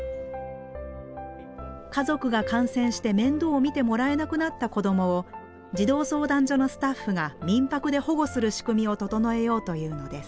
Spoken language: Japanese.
家族が感染して面倒を見てもらえなくなった子供を児童相談所のスタッフが民泊で保護する仕組みを整えようというのです。